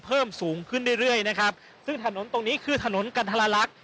เพิ่มสูงขึ้นเรื่อยเรื่อยนะครับซึ่งถนนตรงนี้คือถนนกันทรลักษณ์